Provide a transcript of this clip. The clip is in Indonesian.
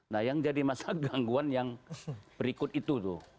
nah yang jadi masalah gangguan yang berikut itu tuh